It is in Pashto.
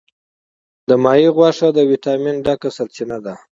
د کب غوښه د ویټامین ډکه سرچینه ده.